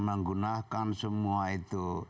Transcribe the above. menggunakan semua itu